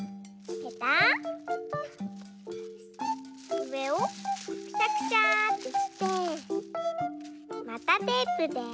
うえをくしゃくしゃってしてまたテープでペタ。